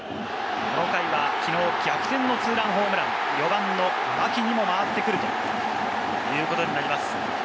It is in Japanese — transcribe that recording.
この回はきのう逆転ツーランホームランの牧にも回ってくるということになります。